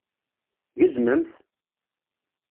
Gezmemt!